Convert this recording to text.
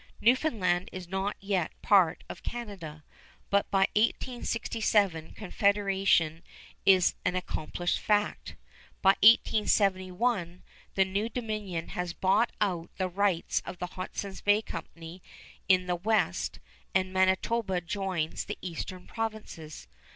Newfoundland is not yet part of Canada, but by 1867 Confederation is an accomplished fact. By 1871 the new Dominion has bought out the rights of the Hudson's Bay Company in the West and Manitoba joins the Eastern Provinces.